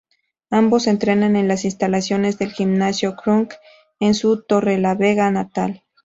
Ambos entrenan en las instalaciones del Gimnasio Kronk en su Torrelavega natal.